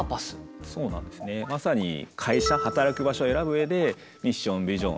まさに会社働く場所を選ぶ上でミッションビジョン